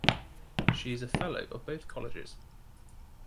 She is a Fellow of both colleges.